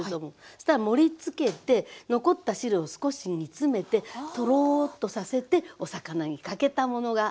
そしたら盛りつけて残った汁を少し煮詰めてトローッとさせてお魚にかけたものが。